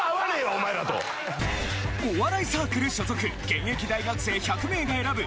お笑いサークル所属現役大学生１００名が選ぶ